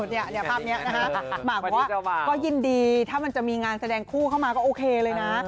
เนี่ยภาพนี้นะฮะหมากบอกว่าก็ยินดีถ้ามันจะมีงานแสดงคู่เข้ามาก็โอเคเลยนะ